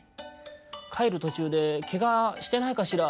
「かえるとちゅうでけがしてないかしら」。